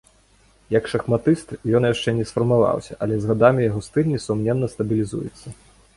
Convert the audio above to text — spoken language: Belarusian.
Як шахматыст ён яшчэ не сфармаваўся, але з гадамі яго стыль, несумненна, стабілізуецца.